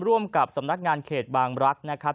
ร่วมกับสำนักงานเขตบางรักษ์นะครับ